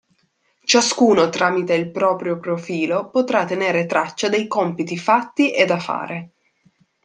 Ciascuno tramite il proprio profilo potrà tenere traccia dei compiti fatti e da fare.